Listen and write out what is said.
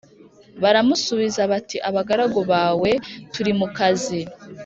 Baramusubiza bati Abagaragu bawe turi mu kazi